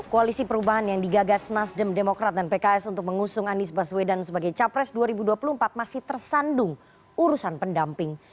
koalisi perubahan yang digagas nasdem demokrat dan pks untuk mengusung anies baswedan sebagai capres dua ribu dua puluh empat masih tersandung urusan pendamping